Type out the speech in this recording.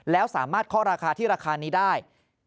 แล้วสามารถเคาะราคาที่ราคานี้ได้